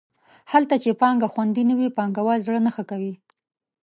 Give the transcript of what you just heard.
هلته چې پانګه خوندي نه وي پانګوال زړه نه ښه کوي.